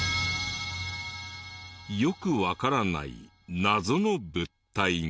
よくわからない謎の物体が。